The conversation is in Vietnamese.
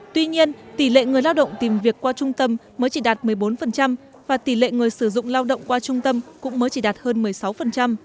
tuy nhiên tỷ lệ người lao động tìm việc qua trung tâm mới chỉ đạt một mươi bốn và tỷ lệ người sử dụng lao động qua trung tâm cũng mới chỉ đạt hơn một mươi sáu